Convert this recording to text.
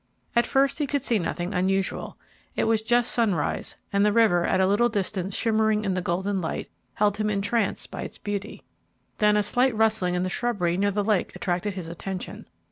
At first he could see nothing unusual. It was just sunrise, and the river, at a little distance shimmering in the golden light, held him entranced by its beauty. Then a slight rustling in the shrubbery near the lake attracted his attention.